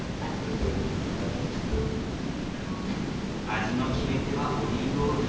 味の決め手はオリーブオイル。